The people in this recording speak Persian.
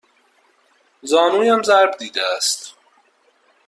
زانویم ضرب دیده است.